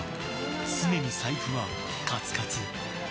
常に財布はカツカツ。